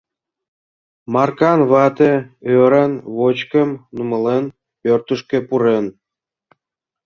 Маркан вате, ӧран вочкым нумалын, пӧртышкӧ пурен.